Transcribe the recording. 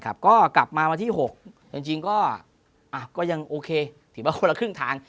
ก็กลับมาวันที่๖จริงก็ยังโอเคถือว่าคนละครึ่งทาง